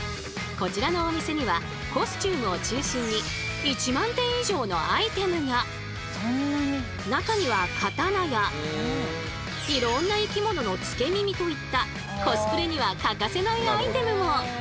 こちらのお店にはコスチュームを中心に中には刀やいろんな生き物のつけ耳といったコスプレには欠かせないアイテムも！